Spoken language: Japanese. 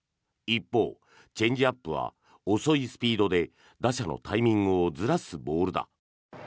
一方、チェンジアップは遅いスピードで打者のタイミングをずらすボールだ。